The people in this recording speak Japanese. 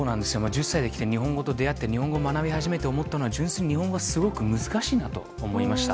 １０歳で来て、日本語と出会って日本語を学び始めて思ったのは純粋に日本語はすごく難しいなと思いました。